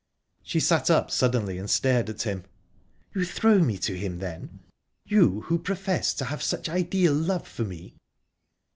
She sat up suddenly, and stared at him. "You throw me to him, then? you who profess to have such ideal love for me!"